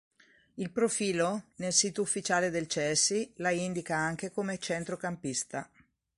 Il profilo nel sito ufficiale del Chelsea la indica anche come centrocampista.